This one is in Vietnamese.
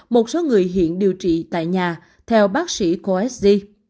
một số người hiện điều trị tại nhà theo bác sĩ khoa s d